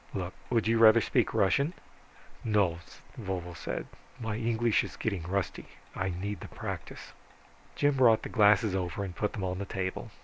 Look, would you rather speak Russian?" "No," Vovo said, "my English is getting rusty. I need the practice." Jim brought the glasses over and put them on the table.